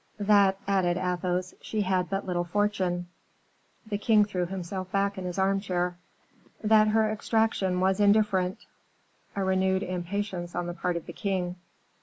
"That," added Athos, "she had but little fortune." The king threw himself back in his armchair. "That her extraction was indifferent." A renewed impatience on the part of the king.